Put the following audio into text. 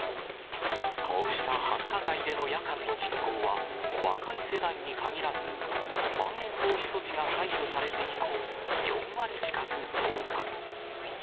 こうした繁華街での夜間の人口は、若い世代に限らず、まん延防止措置が解除されて以降、４割近く増加。